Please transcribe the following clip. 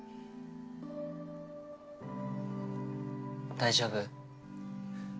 大丈夫？